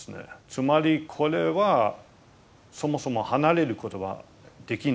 つまりこれはそもそも離れることはできないんですね。